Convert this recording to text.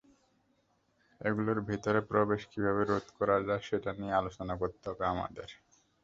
ওগুলোর ভেতরে প্রবেশ কীভাবে রোধ করা যায় সেটা নিয়ে আলোচনা করতে হবে আমাদের!